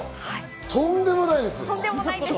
とんでもないです。